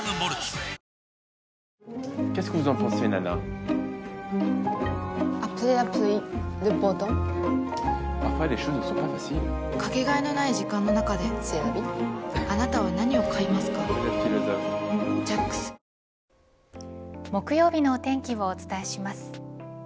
おおーーッ木曜日のお天気をお伝えします。